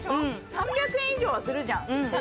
３００円以上はするじゃん。